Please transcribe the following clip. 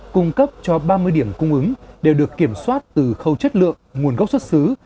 cung cấp cho ba mươi điểm cung ứng đều được kiểm soát từ khâu chất lượng nguồn gốc xuất xứ